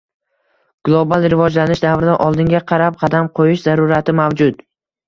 Global rivojlanish davrida oldinga qarab qadam qoʻyish zarurati mavjud.